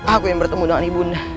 aku ingin bertemu dengan ibu nda